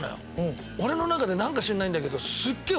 俺の中で何か知んないんだけど。